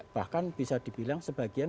bahkan bisa dibilang sebagian